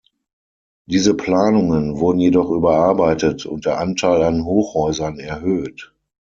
Diese Planungen wurden jedoch überarbeitet und der Anteil an Hochhäusern erhöht.